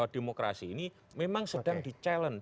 demokrasi ini memang sedang di challenge